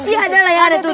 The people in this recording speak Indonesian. iya ada layangannya tuh